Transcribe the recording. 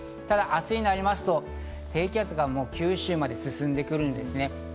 ただ、明日になりますと、低気圧が九州まで進んでくるんですね。